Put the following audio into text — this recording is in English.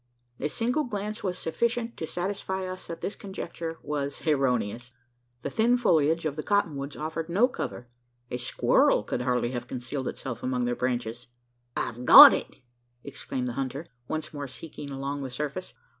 A single glance was sufficient to satisfy us that this conjecture was erroneous. The thin foliage of the cotton woods offered no cover. A squirrel could hardly have concealed itself among their branches. "I've got it!" exclaimed the hunter, once more seeking along the surface.